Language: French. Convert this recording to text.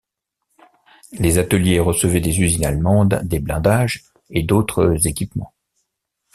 Les ateliers recevaient des usines allemandes des blindages et d'autres équipements.